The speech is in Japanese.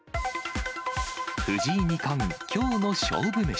藤井二冠、きょうの勝負メシ。